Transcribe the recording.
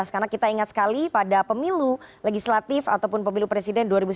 karena kita ingat sekali pada pemilu legislatif ataupun pemilu presiden dua ribu sembilan belas